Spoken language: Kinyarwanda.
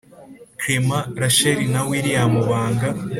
clement, rachel na william banga